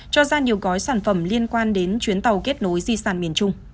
cho ra nhiều gói sản phẩm liên quan đến chuyến tàu kết nối di sản miền trung